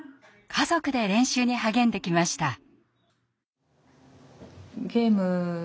家族で練習に励んできました。